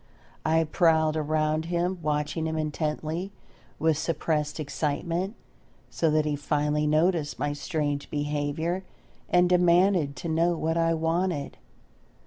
I prowled around him, watching him intently with suppressed excitement, so that he finally noticed my strange behaviour and demanded to know what I wanted.